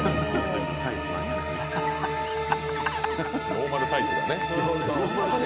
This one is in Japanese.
ノーマルタイツだね。